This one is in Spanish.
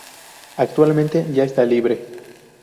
Actualmente, ya está libre.